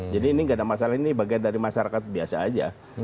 jadi ini nggak ada masalah ini bagian dari masyarakat biasa aja